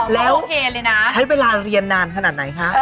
แล้วใช้เวลาเรียนนานขนาดไหนคะ